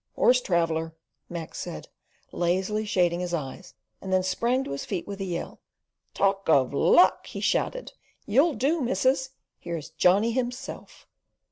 "Horse traveller!" Mac said, lazily shading his eyes, and then sprang to his feet with a yell. "Talk of luck!" he shouted. "You'll do, missus! Here's Johnny himself."